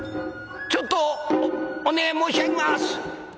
「ちょっとお願い申し上げます。